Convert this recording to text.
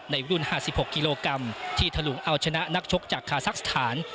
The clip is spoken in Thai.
ในรุ่น๕๖กิโลกรัมที่ถลุงเอาชนะนักชกจากคาซักสถาน